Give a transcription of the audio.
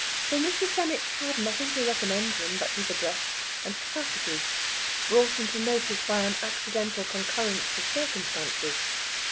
For Mr. Fenwick had nothing to recommend him but his address and capacity, brought into notice by an accidental concurrence of circumstances.